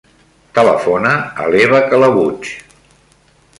Telefona a l'Eva Calabuig.